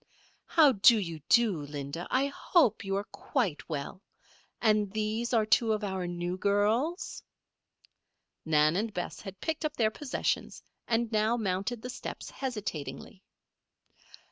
"How do you do, Linda? I hope you are quite well. And these are two of our new girls?" Nan and Bess had picked up their possessions and now mounted the steps hesitatingly.